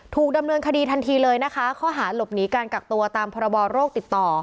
ถูกดำเนินคดีทันทีเลยนะคะข้อหาหลบหนีการกักตัวตามพรบโรคติดต่อ